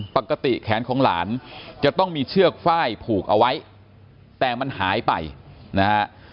แขนของหลานจะต้องมีเชือกฝ้ายผูกเอาไว้แต่มันหายไปนะฮะ